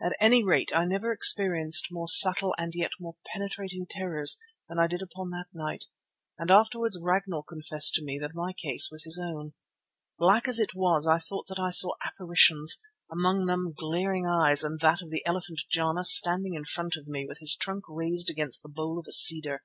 At any rate I never experienced more subtle and yet more penetrating terrors than I did upon that night, and afterwards Ragnall confessed to me that my case was his own. Black as it was I thought that I saw apparitions, among them glaring eyes and that of the elephant Jana standing in front of me with his trunk raised against the bole of a cedar.